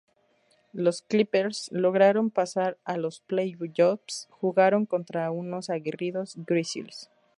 Los Clippers lograron pasar a los playoffs, jugaron contra unos aguerridos Grizzlies.